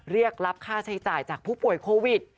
เรียกรับค่าใช้จ่ายจากผู้ป่วยโควิด